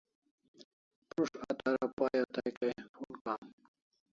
Prus't a Tara Pai o tai Kai phone kam